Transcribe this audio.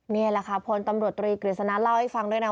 นี่แหละค่ะพลตำรวจตรีกฤษณะเล่าให้ฟังด้วยนะ